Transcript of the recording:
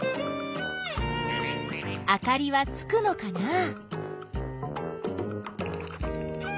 あかりはつくのかな？